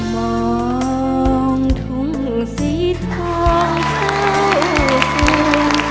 ทองทุ่มสีทองเศร้าสูง